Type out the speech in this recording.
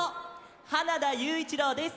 花田ゆういちろうです。